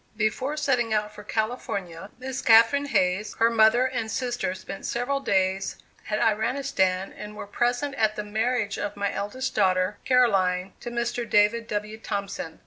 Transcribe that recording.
Before setting out for California, Miss Catherine Hayes, her mother and sister spent several days at Iranistan and were present at the marriage of my eldest daughter, Caroline, to Mr. David W. Thompson.